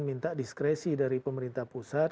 minta diskresi dari pemerintah pusat